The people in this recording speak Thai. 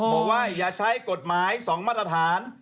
บอกว่าอย่าใช้กฎหมาย๒มาตรฐาน